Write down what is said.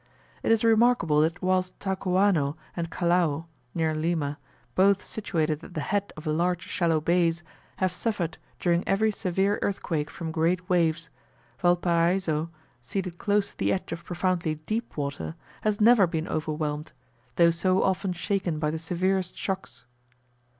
It is remarkable that whilst Talcahuano and Callao (near Lima), both situated at the head of large shallow bays, have suffered during every severe earthquake from great waves, Valparaiso, seated close to the edge of profoundly deep water, has never been overwhelmed, though so often shaken by the severest shocks.